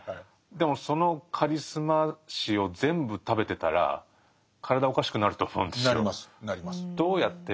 でもそのカリスマ視を全部食べてたら体おかしくなると思うんですよ。